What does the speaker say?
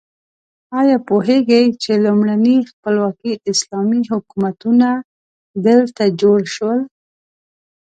ایا پوهیږئ چې لومړني خپلواکي اسلامي حکومتونه دلته جوړ شول؟